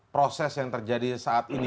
proses yang terjadi saat ini